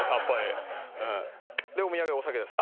でお土産お酒です。